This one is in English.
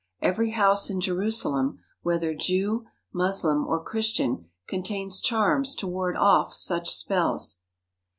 Every house in Jerusalem, whether Jew, Moslem, or Christian, contains charms to ward off such spells.